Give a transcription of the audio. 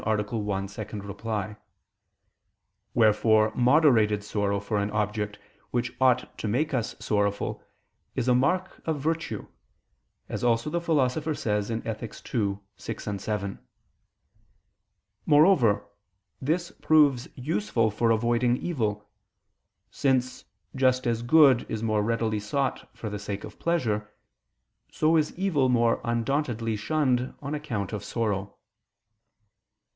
1, ad 2). Wherefore moderated sorrow for an object which ought to make us sorrowful, is a mark of virtue; as also the Philosopher says (Ethic. ii, 6, 7). Moreover, this proves useful for avoiding evil: since, just as good is more readily sought for the sake of pleasure, so is evil more undauntedly shunned on account of sorrow.